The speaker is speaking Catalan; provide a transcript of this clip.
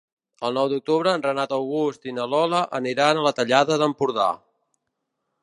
El nou d'octubre en Renat August i na Lola aniran a la Tallada d'Empordà.